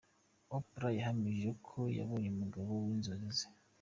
Oprah yahamije ko yabonye ’Umugabo w’Inzozi ze’.